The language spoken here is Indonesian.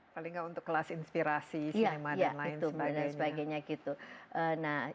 paling tidak untuk kelas inspirasi cinema dan lain sebagainya